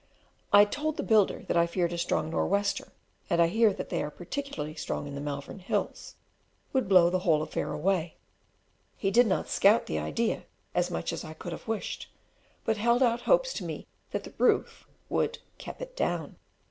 I told the builder that I feared a strong "nor' wester" (and I hear they are particularly strong in the Malvern Hills) would blow the whole affair away. He did not scout the idea as much as I could have wished, but held out hopes to me that the roof would "kep it down."